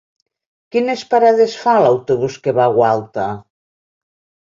Quines parades fa l'autobús que va a Gualta?